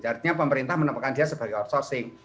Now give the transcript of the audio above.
artinya pemerintah menemukan dia sebagai outsourcing